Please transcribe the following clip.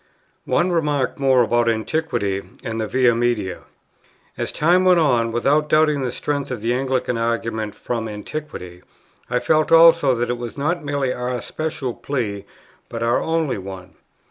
One remark more about Antiquity and the Via Media. As time went on, without doubting the strength of the Anglican argument from Antiquity, I felt also that it was not merely our special plea, but our only one.